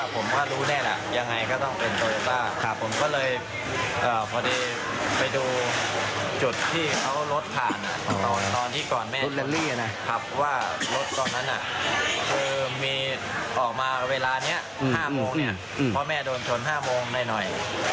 คือมีออกมาเวลานี้๕โมงเพราะแม่โดนชน๕โมงหน่อย